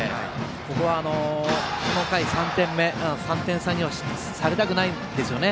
ここはこの回、３点差にはされたくないですよね。